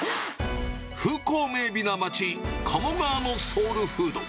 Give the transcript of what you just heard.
風光明媚な町、鴨川のソウルフード。